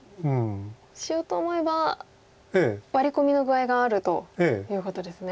しようと思えばワリコミの具合があるということですね。